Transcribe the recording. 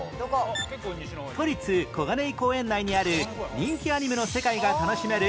都立小金井公園内にある人気アニメの世界が楽しめる